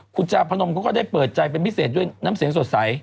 คุณจาพนมเขาก็ได้เปิดใจเป็นพิเศษด้วยน้ำเสียงสดใส